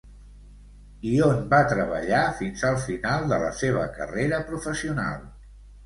I on va treballar fins al final de la seva carrera professional?